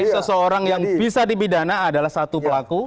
seseorang yang bisa dipidana adalah satu pelaku